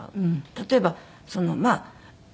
例えばまあ。